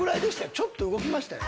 ちょっと動きましたよ